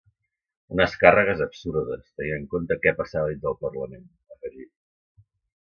Unes càrregues absurdes, tenint en compte què passava dins el parlament, ha afegit.